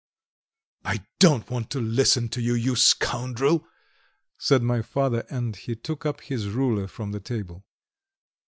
"I don't want to listen to you, you scoundrel!" said my father, and he took up his ruler from the table.